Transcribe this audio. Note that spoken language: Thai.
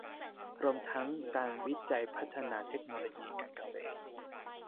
รวมทั้งการวิจัยพัฒนาเทคโนโลยีการเกษตร